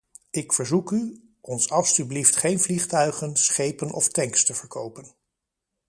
Ik verzoek u, ons alstublieft geen vliegtuigen, schepen of tanks te verkopen.